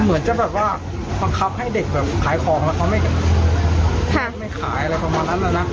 เหมือนจะแบบว่าบังคับให้เด็กแบบขายของแล้วเขาไม่ขายอะไรประมาณนั้นแล้วนะ